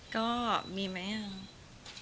ก็มีไหมอะ